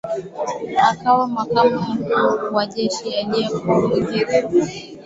akawa makamu mkuu wa Jeshi aliyekuwa Mwingereza